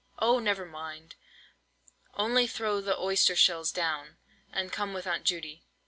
"Oh, never mind! Only throw the oyster shells down, and come with Aunt Judy.